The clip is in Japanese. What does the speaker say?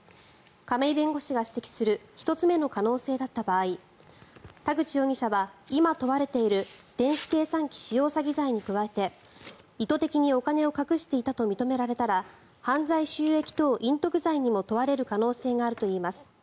亀井弁護士が指摘する１つ目の可能性だった場合田口容疑者は今、問われている電子計算機使用詐欺罪に加えて意図的にお金を隠していたと認められたら犯罪収益等隠匿罪にも問われる可能性があるといいます。